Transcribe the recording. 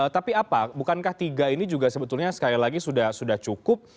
tapi apa bukankah tiga ini juga sebetulnya sekali lagi sudah cukup